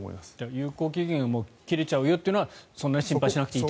有効期限が切れちゃうよというのはそんなに心配しなくていいと。